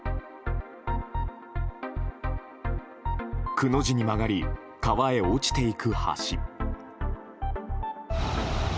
くの字に曲がり川へ落ちていく橋。